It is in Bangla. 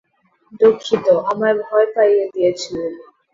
দুঃখিত, আমায় ভয় পাইয়ে দিয়েছিলেন।